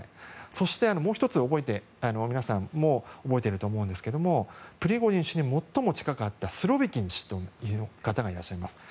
そして、もう１つ皆さんも覚えていると思うんですけどプリゴジン氏に最も近かったスロビキン氏という方がいます。